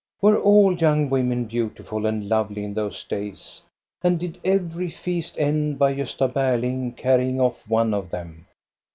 " "Were all young women beautiful and lovely in those days, and did every feast end by Grosta Berling ' carrying off one of them